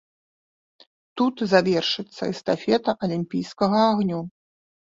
Тут завяршыцца эстафета алімпійскага агню.